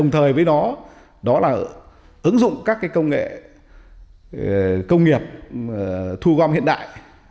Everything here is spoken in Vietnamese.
thời với đó là ứng dụng các công nghệ công nghiệp thu gom hiện đại